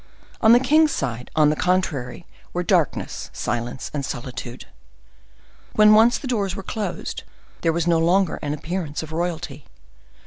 On the king's side, on the contrary, were darkness, silence, and solitude. When once the doors were closed, there was no longer an appearance of royalty.